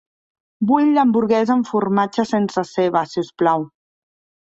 Vull l'hamburguesa amb formatge sense ceba, si us plau.